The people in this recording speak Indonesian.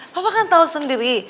papa kan tau sendiri